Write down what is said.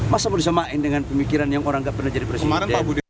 masa bisa disemakan dengan pemikiran yang orang enggak pernah jadi presiden